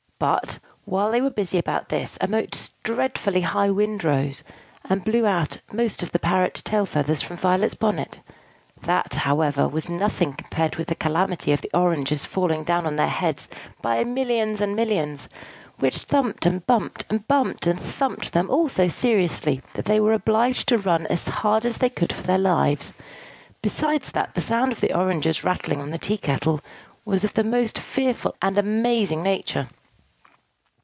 But, while they were busy about this, a most dreadfully high wind rose, and blew out most of the parrot tail feathers from Violet's bonnet. That, however, was nothing compared with the calamity of the oranges falling down on their heads by millions and millions, which thumped and bumped and bumped and thumped them all so seriously, that they were obliged to run as hard as they could for their lives; besides that the sound of the oranges rattling on the tea kettle was of the most fearful and amazing nature.